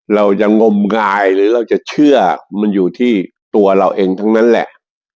เรายังงมงายหรือเราจะเชื่อมันอยู่ที่ตัวเราเองทั้งนั้นแหละ